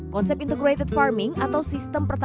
konsep integrated farming atau sistem pertahanan